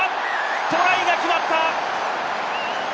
トライが決まった！